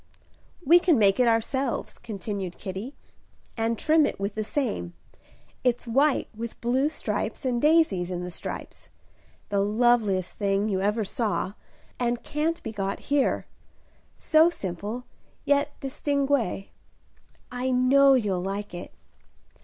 "We can make it ourselves," continued Kitty, "and trim it with the same. It's white with blue stripes and daisies in the stripes; the loveliest thing you ever saw, and can't be got here. So simple, yet distingué, I know you'll like it.